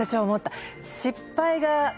失敗がだ